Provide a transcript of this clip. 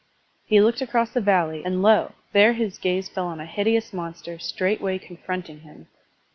He looked across the valley, and lo! there his gaze fell on a hideous monster straightway confronting him.